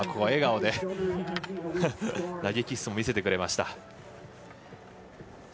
笑顔で投げキッスも見せてくれました。